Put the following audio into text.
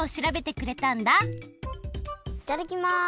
いただきます。